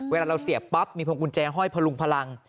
เวลาเราเสียบปั๊บมีพวงกุญแจห้อยพลุงพลัง